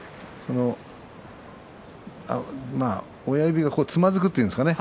親指がつまずくというんですかね